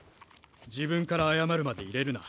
自分から謝るまで入れるな。